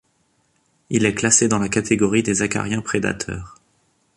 Il est classé dans la catégorie des acariens prédateurs.